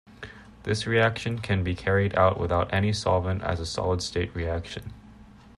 This reaction can be carried out without any solvent as a solid-state reaction.